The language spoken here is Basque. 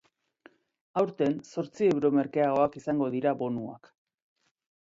Aurten, zortzi euro merkeagoak izango dira bonuak.